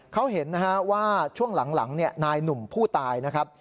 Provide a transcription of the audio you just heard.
เขาเห็นนะฮะว่าช่วงหลังนายหนุ่มผู้ตายนะครับ